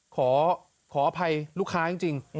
ขออภัยลูกค้าจริง